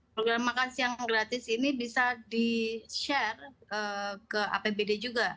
program makanan siang gratis ini bisa di share ke apbn